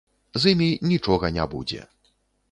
З імі нічога не будзе.